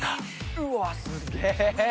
うわすげぇ！